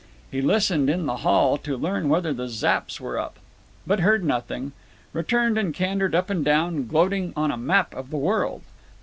He listened in the hall to learn whether the Zapps were up, but heard nothing; returned and cantered up and down, gloating on a map of the world.